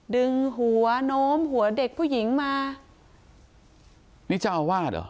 ดึงหัวโน้มหัวเด็กผู้หญิงมานี่เจ้าอาวาสเหรอ